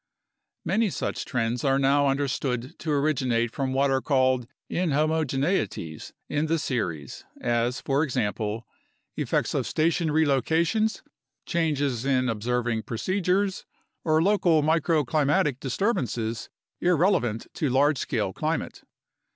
Many such trends are now understood to originate from what are called inhomogeneities in the series, as, for example, effects of station relocations, changes in observ 42 UNDERSTANDING CLIMATIC CHANGE ing procedures, or local microclimatic disturbances irrelevant to large scale climate.